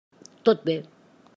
Tot bé.